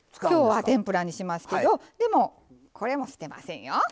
今日は天ぷらにしますけどでもこれも捨てませんよ。